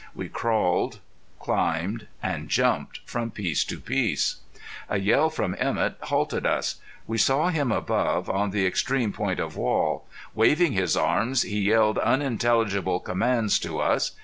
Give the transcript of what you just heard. We crawled, climbed, and jumped from piece to piece. A yell from Emett halted us. We saw him above, on the extreme point of wall. Waving his arms, he yelled unintelligible commands to us.